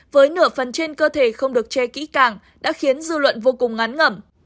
với nửa phần trên cơ thể không được che kỹ càng đã khiến dư luận vô cùng ngán ngẩm